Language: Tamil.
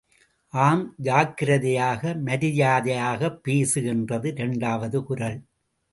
ஆம் ஜாக்கிரதையாக மரியாதையாகப் பேசு என்றது இரண்டாவது குரல்.